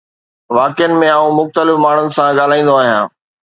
واقعن ۾ آئون مختلف ماڻهن سان ڳالهائيندو آهيان